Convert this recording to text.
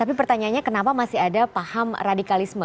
tapi pertanyaannya kenapa masih ada paham radikalisme